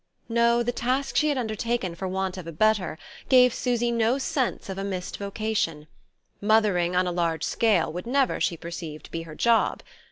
No, the task she had undertaken for want of a better gave Susy no sense of a missed vocation: "mothering" on a large scale would never, she perceived, be her job.